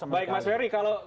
baik mas ferry kalau